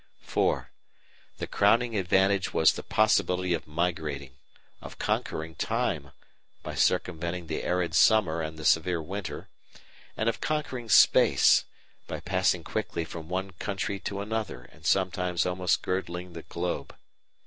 (4) The crowning advantage was the possibility of migrating, of conquering time (by circumventing the arid summer and the severe winter) and of conquering space (by passing quickly from one country to another and sometimes almost girdling the globe).